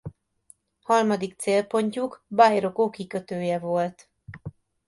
Harmadik célpontjuk Bairoko kikötője volt.